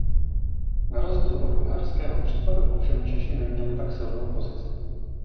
Na rozdíl od uherského případu ovšem Češi neměli tak silnou pozici.